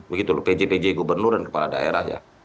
begitu loh pj pj gubernur dan kepala daerah ya